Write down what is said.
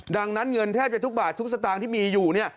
ดังนั้นเงินแทบจะทุกบาททุกสตางค์ที่มีอยู่เนี่ย